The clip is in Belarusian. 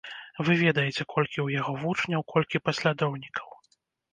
Вы ведаеце, колькі ў яго вучняў, колькі паслядоўнікаў.